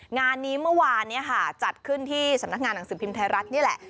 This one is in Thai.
งานนี้เมื่อวานจัดขึ้นที่สำนักงานหนังสือพิมพ์ไทยรัฐนี่แหละ